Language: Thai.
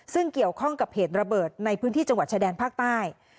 ซึ่งเกี่ยวข้องกับเหตุระเบิดในพื้นที่จังหวัดชายแดนภาคใต้